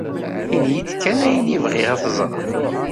Ini-iyi-d kan ayen i bɣiɣ ad t-ẓreɣ.